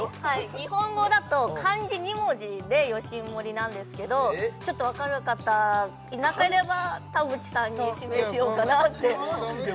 日本語だと漢字２文字でヨシンモリなんですけどちょっとわかる方いなければ田渕さんに指名しようかなってマジで？